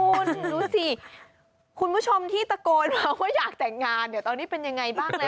คุณดูสิคุณผู้ชมที่ตะโกนมาว่าอยากแต่งงานเดี๋ยวตอนนี้เป็นยังไงบ้างแล้ว